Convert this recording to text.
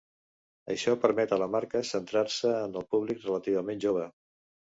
Això permet a la marca centrar-se en un públic relativament jove.